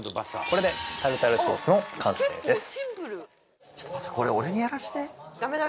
これでタルタルソースの完成です